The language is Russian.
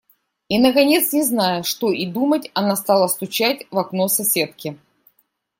И, наконец, не зная, что и думать, она стала стучать в окно соседке.